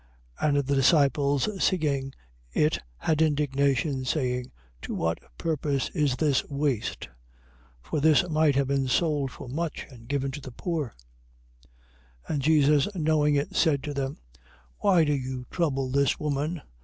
26:8. And the disciples seeing it had indignation, saying: To what purpose is this waste? 26:9. For this might have been sold for much and given to the poor. 26:10. And Jesus knowing it, said to them: Why do you trouble this woman?